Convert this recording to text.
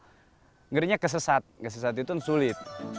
ngerinya kesesat kesesat itu sulit